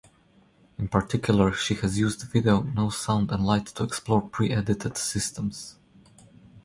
In particular, she has used video, sound and light to explore pre-edited systems.